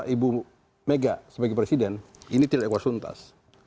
ibu mega sebagai presiden ini tidak egosuntas